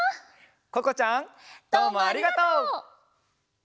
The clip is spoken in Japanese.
ここちゃん。どうもありがとう！